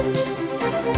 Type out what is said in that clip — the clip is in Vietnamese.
nó tiếp tục đo phân